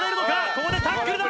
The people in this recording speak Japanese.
ここでタックルだ！